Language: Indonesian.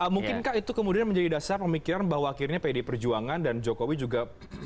mungkinkah itu kemudian menjadi dasar pemikiran bahwa akhirnya pdi perjuangan dan jokowi juga